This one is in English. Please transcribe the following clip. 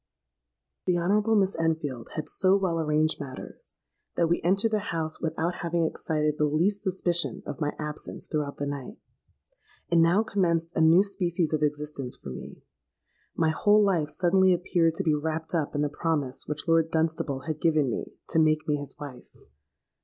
"The Honourable Miss Enfield had so well arranged matters, that we entered the house without having excited the least suspicion of my absence throughout the night. And now commenced a new species of existence for me. My whole life suddenly appeared to be wrapped up in the promise which Lord Dunstable had given me to make me his wife.